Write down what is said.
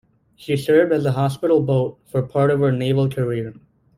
She served as a hospital boat for part of her naval career.